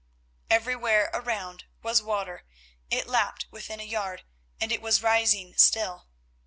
Everywhere around was water; it lapped within a yard, and it was rising still.